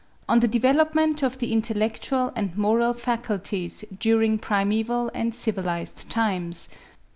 ON THE DEVELOPMENT OF THE INTELLECTUAL AND MORAL FACULTIES DURING PRIMEVAL AND CIVILISED TIMES.